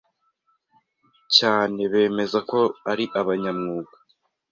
cyane bemeza ko ari abanyamwuga,